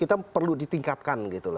kita perlu ditingkatkan